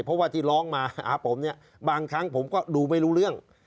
เพราะว่าที่ร้องมาหาผมเนี่ยบางครั้งผมก็ดูไม่รู้เรื่อง